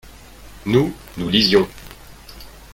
nous , nous lisions.